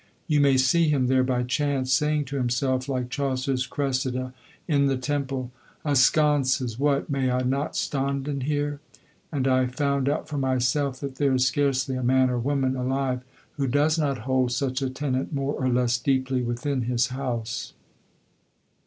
You may see him there by chance, saying to himself like Chaucer's Creseyde in the temple, "Ascaunces, What! May I not stonden here?" And I found out for myself that there is scarcely a man or woman alive who does not hold such a tenant more or less deeply within his house.